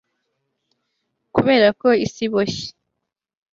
Kubera ko isi iboshye